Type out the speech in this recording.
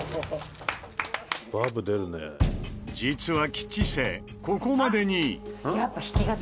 実は吉瀬ここまでに。